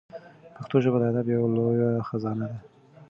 پښتو ژبه د ادب یوه لویه خزانه ده.